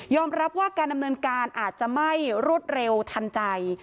รับว่าการดำเนินการอาจจะไม่รวดเร็วทันใจ